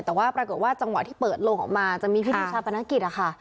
แต่ว่าปรากฏว่าจังหวะที่เปิดโลงออกมาจะมีพิธีชาปนกิจนะคะ